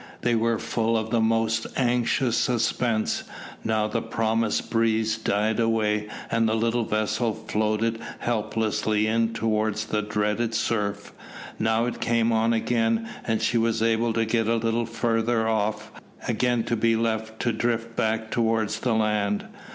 They were full of the most anxious suspense. Now the promised breeze died away, and the little vessel floated helplessly in towards the dreaded surf. Now it came on again, and she was able to get a little farther off, again to be left to drift back towards the land.